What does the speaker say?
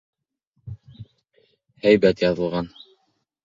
— Һәйбәт яҙылған.